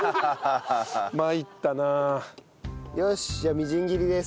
よしじゃあみじん切りです。